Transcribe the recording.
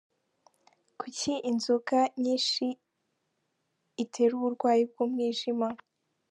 Kuki inzoga nyinsi itera uburwayi bw’umwijima ?.